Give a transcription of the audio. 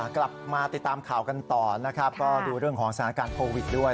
กลับมาติดตามข่าวกันต่อนะครับก็ดูเรื่องของสถานการณ์โควิดด้วย